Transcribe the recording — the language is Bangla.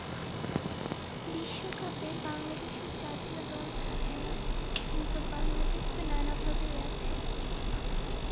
বিশ্বকাপে বাংলাদেশের জাতীয় দল থাকে না, কিন্তু বাংলাদেশ তো নানাভাবেই আছে।